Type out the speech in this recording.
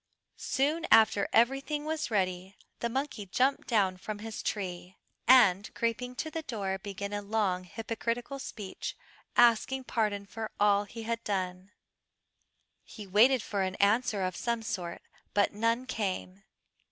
Soon after everything was ready the monkey jumped down from his tree, and creeping to the door began a long hypocritical speech, asking pardon for all he had done. He waited for an answer of some sort, but none came.